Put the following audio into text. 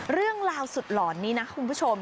เรื่องราวสุดหลอนนี้นะคุณผู้ชม